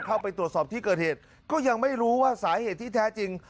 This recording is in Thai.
เข้าไปตรวจสอบที่เกิดเหตุก็ยังไม่รู้ว่าสาเหตุที่แท้จริง